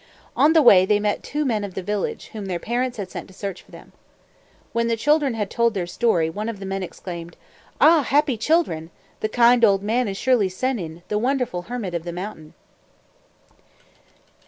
On the way, they met two men of the village, whom their parents had sent to search for them. When the children had told their story, one of the men exclaimed, "Ah, happy children! The kind old man is surely Sennin, the wonderful Hermit of the Mountain!"